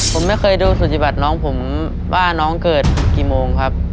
ผมไม่เคยดูสุจิบัติน้องผมว่าน้องเกิดกี่โมงครับ